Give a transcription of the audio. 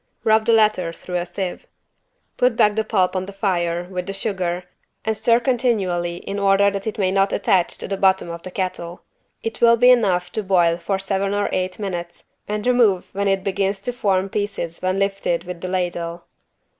Rub the latter through a sieve. Put back the pulp on the fire with the sugar and stir continually in order that it may not attack to the bottom of the kettle. It will be enough to boil for seven or eight minutes and remove when it begins to form pieces when lifted with the ladle.